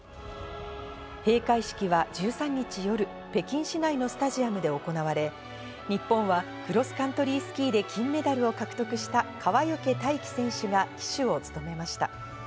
閉会式は１３日夜、北京市内のスタジアムで行われ、日本はクロスカントリースキーで金メダルを獲得した川除大輝選手が旗手を務めました。